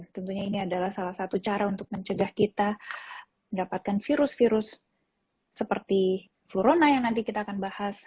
tentunya ini adalah salah satu cara untuk mencegah kita mendapatkan virus virus seperti flurona yang nanti kita akan bahas